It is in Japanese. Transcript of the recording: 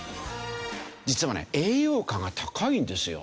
実はね栄養価が高いんですよ。